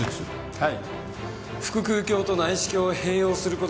はい。